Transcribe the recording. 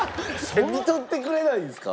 看取ってくれないんですか？